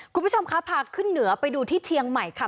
คุณผู้ชมคะพาขึ้นเหนือไปดูที่เชียงใหม่ค่ะ